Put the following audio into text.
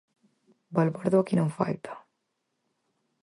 Balbordo aquí non falta...